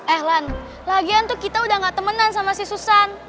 ehlan lagian tuh kita udah gak temenan sama si susan